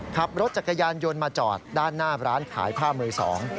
ขับรถจักรยานยนต์มาจอดด้านหน้าร้านขายผ้ามือสอง